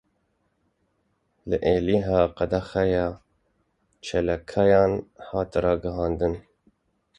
Li Êlihê qedexeya çalakiyan hat ragihandin.